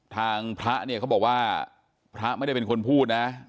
ทางพระเนี่ยเขาบอกว่าพระไม่ได้เป็นคนพูดนะ